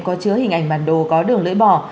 có chứa hình ảnh bản đồ có đường lưỡi bò